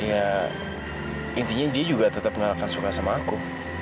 ya intinya dia juga tetap gak akan suka sama aku